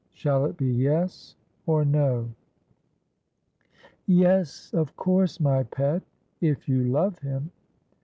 Shall it be " Yes" or " No ?"'' Yes, of course, my pet, if you love him.'